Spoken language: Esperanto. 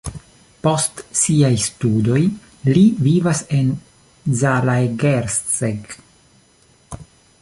Post siaj studoj li vivas en Zalaegerszeg.